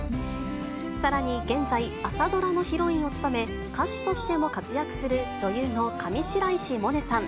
さらに現在、朝ドラのヒロインを務め、歌手としても活躍する、女優の上白石萌音さん。